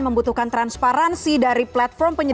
membutuhkan transparansi dari platform